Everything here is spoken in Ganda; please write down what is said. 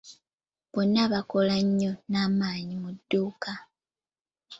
Bonna bakola nnyo n'amaanyi mu duuka.